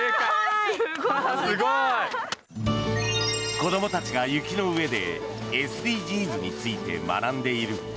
子どもたちが雪の上でＳＤＧｓについて学んでいる。